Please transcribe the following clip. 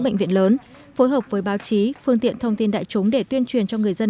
bệnh viện lớn phối hợp với báo chí phương tiện thông tin đại chúng để tuyên truyền cho người dân